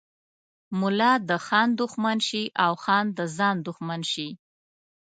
ملا د خان دښمن شي او خان د ځان دښمن شي.